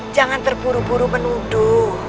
jangan terpuru puru menuduh